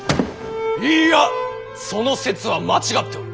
いいやその説は間違っておる！